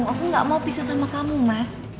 aku gak mau pisah sama kamu mas